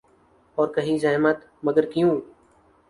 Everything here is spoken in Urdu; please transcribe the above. اور کہیں زحمت ، مگر کیوں ۔